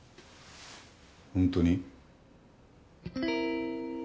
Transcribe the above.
本当に？